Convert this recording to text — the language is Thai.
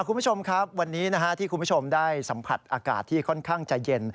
คุณผู้ชมครับวันนี้ที่คุณผู้ชมได้สัมผัสอากาศที่ค่อนข้างจะเย็น